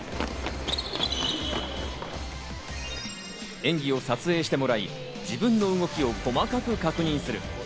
演技を撮影してもらい自分の動きを細かく確認する。